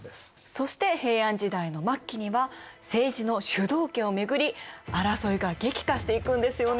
そして平安時代の末期には政治の主導権を巡り争いが激化していくんですよね。